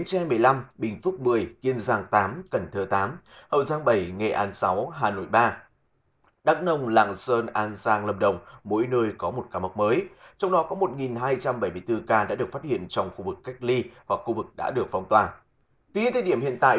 xin chào và hẹn gặp lại trong các video tiếp theo